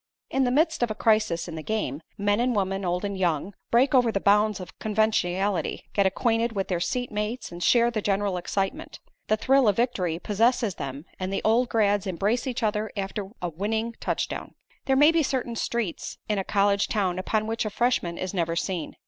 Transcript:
In the midst of a crisis in the game, men and women, old and young, break over the bounds of conventionality, get acquainted with their seat mates and share the general excitement. The thrill of victory possesses them and the old grads embrace each other after a winning touchdown. There may be certain streets in a college town upon which a freshman is never seen.